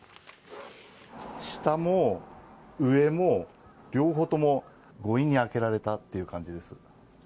下も上も、両方とも強引に開けられたっていう感じです。